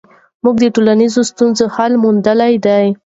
موږ د ټولنیزو ستونزو حل موندلی دی.